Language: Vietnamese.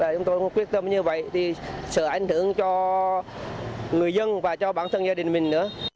chúng tôi quyết tâm như vậy thì sợ ảnh hưởng cho người dân và cho bản thân gia đình mình nữa